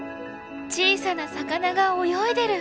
小さな魚が泳いでる！